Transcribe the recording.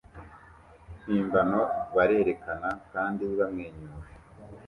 mpimbano barerekana kandi bamwenyura